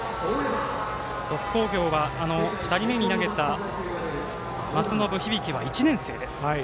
鳥栖工業は２人目に投げた松延響は１年生です。